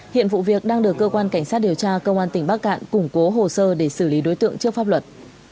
hiện vụ việc đang được cơ quan cảnh sát điều tra công an tỉnh bắc cạn củng cố hồ sơ để xử lý đối tượng trước pháp luật